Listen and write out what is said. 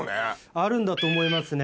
あるんだと思いますね